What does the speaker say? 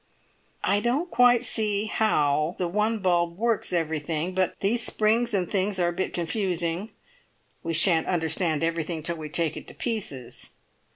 I don't quite see how the one bulb works everything, but these springs and things are a bit confusing. We shan't understand everything till we take it to pieces."